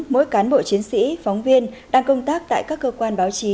mỗi cán bộ chiến sĩ phóng viên đang công tác tại các cơ quan báo chí